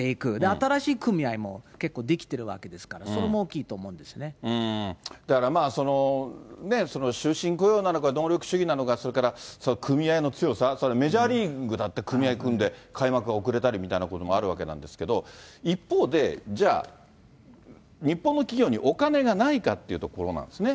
新しい組合も結構出来てるわけですから、それも大きいと思うんでだから、その終身雇用なのか能力主義なのか、それから組合の強さ、メジャーリーグだって組合組んで開幕が遅れたりみたいなこともあるんですけど、一方で、じゃあ、日本の企業にお金がないかっていうところなんですね。